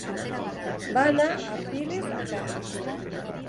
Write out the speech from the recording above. Va anar a Piles a peu.